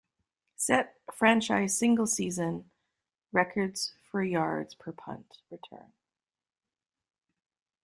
Set Franchise Single Season Record for Yards per Punt Return.